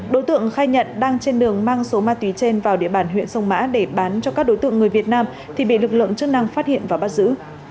đối tượng khai nhận đang trên đường mang số ma túy trên vào địa bàn huyện sông mã để bán cho các đối tượng người việt nam thì bị lực lượng chức năng phát hiện và bắt giữ